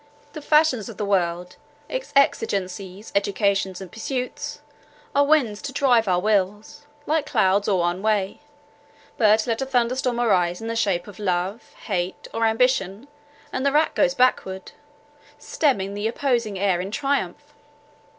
The fashions of the world, its exigencies, educations and pursuits, are winds to drive our wills, like clouds all one way; but let a thunderstorm arise in the shape of love, hate, or ambition, and the rack goes backward, stemming the opposing air in triumph."